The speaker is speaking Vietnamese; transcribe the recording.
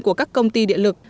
của các công ty điện lực